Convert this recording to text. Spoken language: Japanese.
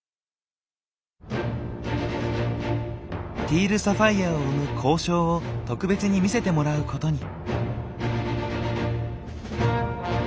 ティールサファイアを生む「鉱床」を特別に見せてもらうことに。